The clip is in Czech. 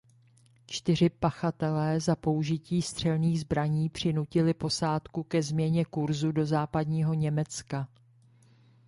Čtyři pachatelé za použití střelných zbraní přinutili posádku ke změně kurzu do Západního Německa.